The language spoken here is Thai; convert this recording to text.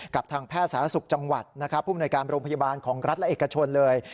กับทางแพทย์ศาสตร์ศุกร์จังหวัดผู้บริการโรงพยาบาลของรัฐและเอกชนเลย